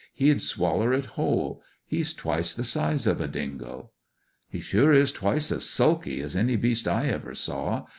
He'd swaller it whole. He's twice the size of a dingo." "He sure is twice as sulky as any beast I ever saw.